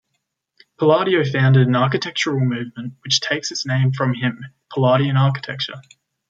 Palladio founded an architectural movement which takes its name from him, Palladian architecture.